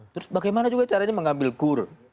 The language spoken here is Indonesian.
terus bagaimana juga caranya mengambil kur